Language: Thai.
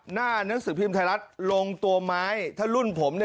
หนังสือพิมพ์ไทยรัฐลงตัวไม้ถ้ารุ่นผมเนี่ย